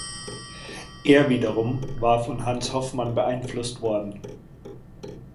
Er wiederum war von Hans Hofmann beeinflusst worden.